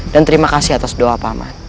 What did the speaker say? dan terima kasih atas doa paman